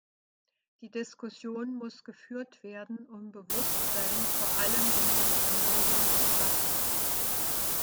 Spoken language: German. Die Diskussion muss geführt werden, um Bewusstsein, vor allem in den Familien, zu schaffen.